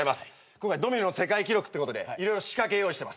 今回ドミノの世界記録ってことで色々仕掛け用意してます。